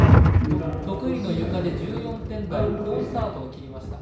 得意のゆかで１４点台好スタートを切りました。